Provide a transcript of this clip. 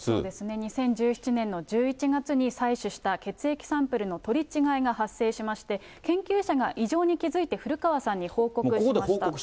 ２０１７年の１１月に採取した血液サンプルの取り違いが発生しまして、研究者が異常に気付いて古川さんに報告しました。